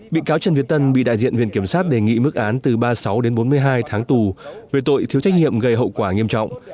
bị cáo trần việt tân bị đại diện viện kiểm sát đề nghị mức án từ ba mươi sáu đến bốn mươi hai tháng tù về tội thiếu trách nhiệm gây hậu quả nghiêm trọng